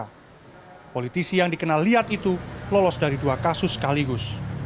karena politisi yang dikenal lihat itu lolos dari dua kasus sekaligus